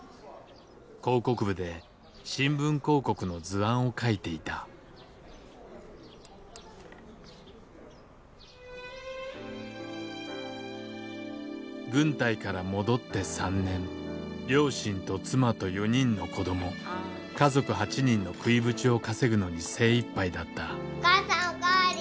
広告部で新聞広告の図案を描いていた軍隊から戻って３年両親と妻と４人の子供家族８人の食いぶちを稼ぐのに精いっぱいだったお母さんお代わり！